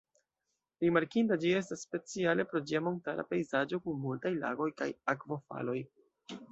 Rimarkinda ĝi estas speciale pro ĝia montara pejzaĝo kun multaj lagoj kaj akvofaloj.